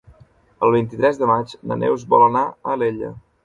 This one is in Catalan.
El vint-i-tres de maig na Neus vol anar a Alella.